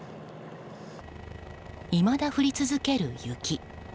いまだ降り続ける雪。